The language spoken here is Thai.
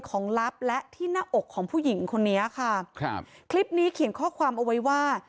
ลับและที่หน้าอกของผู้หญิงคนนี้ค่ะครับคลิปนี้เขียนข้อความเอาไว้ว่า